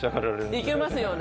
いけますよね。